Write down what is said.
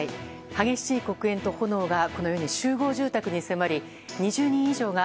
激しい黒煙と炎がこのように集合住宅に迫り